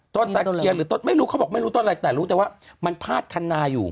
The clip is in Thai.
ตะเคียนหรือต้นไม่รู้เขาบอกไม่รู้ต้นอะไรแต่รู้แต่ว่ามันพาดคันนาอยู่